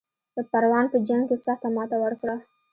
د پروان په جنګ کې سخته ماته ورکړه.